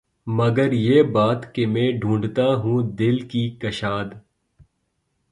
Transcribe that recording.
مگر یہ بات کہ میں ڈھونڈتا ہوں دل کی کشاد